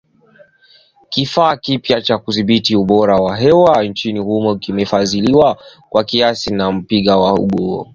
Kifaa kipya cha kudhibiti ubora wa hewa nchini humo kimefadhiliwa kwa kiasi na kampuni ya Gugo